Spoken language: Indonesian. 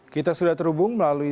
kita sudah terhubung melalui